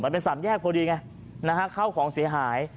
เป็นสามแยกพอดีไงนะฮะเข้าของเสียหาย